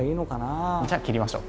じゃあ切りましょう。